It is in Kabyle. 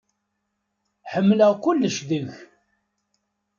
Ḥemmleɣ kullec deg-k.